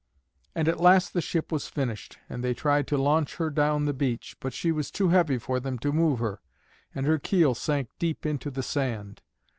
And at last the ship was finished, and they tried to launch her down the beach; but she was too heavy for them to move her, and her keel sank deep into the sand.